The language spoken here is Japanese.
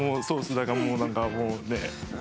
だからもう、もうね。